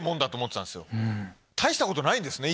大したことないんですね